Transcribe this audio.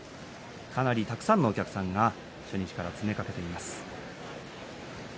かなりたくさんのお客さんが初日から詰めかけています。